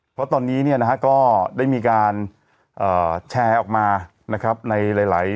เพราะตอนนี้เนี่ยนะฮะก็ได้มีการแชร์ออกมานะครับในหลาย